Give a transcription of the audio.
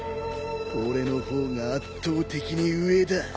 俺の方が圧倒的に上だ。